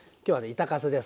板かすです。